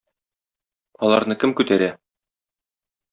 Аларны кем күтәрә?